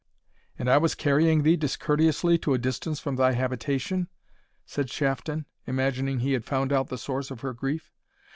"And I was carrying thee discourteously to a distance from thy habitation?" said Shafton, imagining he had found out the source of her grief.